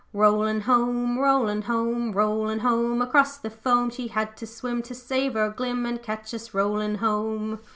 Rollin' home, rollin' home, Rollin' home across the foam, She had to swim to save her glim And catch us rollin' home.'